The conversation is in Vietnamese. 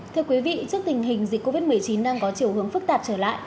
thưa quý vị trước tình hình dịch covid một mươi chín đang có chiều hướng phức tạp trở lại